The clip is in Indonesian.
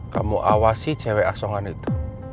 kamu awasi cewek asongan itu